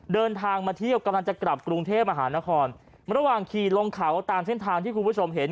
เดินทางมาเที่ยวกำลังจะกลับกรุงเทพมหานครระหว่างขี่ลงเขาตามเส้นทางที่คุณผู้ชมเห็น